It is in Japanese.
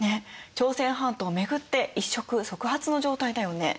朝鮮半島を巡って一触即発の状態だよね。